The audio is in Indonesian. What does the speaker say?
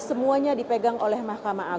semuanya dipegang oleh ma